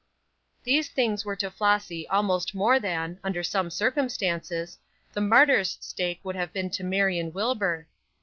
These things were to Flossy almost more than, under some circumstances, the martyr's stake would have been to Marion Wilbur.